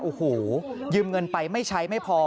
โอ้โหยืมเงินไปไม่ใช้ไม่พอ